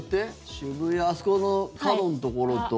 渋谷、あそこの角のところと。